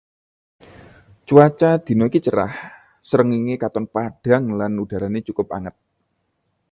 Cuaca dina iki cerah, srengenge katon padhang lan udarane cukup anget.